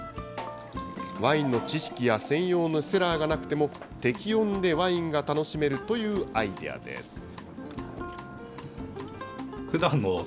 ワインの知識や専用のセラーがなくても、適温でワインが楽しめるというアイデアです。